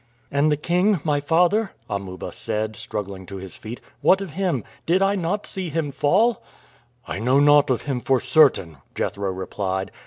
"And the king, my father?" Amuba said, struggling to his feet. "What of him? Did I not see him fall?" "I know naught of him for certain," Jethro replied.